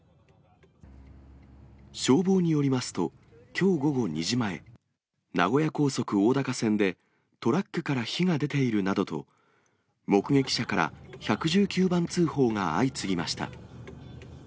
消防によりますと、きょう午後２時前、名古屋高速大高線で、トラックから火が出ているなどと目撃者から１１９番通報が相次ぎました。